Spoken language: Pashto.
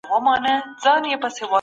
کله د ځان دفاع قانوني ده؟